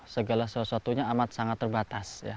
segala sesuatunya amat sangat terbatas